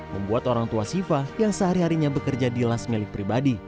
membuat orang tua siva yang sehari harinya bekerja di las milik pribadi